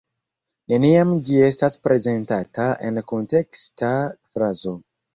Neniam ĝi estas prezentata en kunteksta frazo.